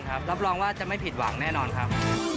รับรองว่าจะไม่ผิดหวังแน่นอนครับ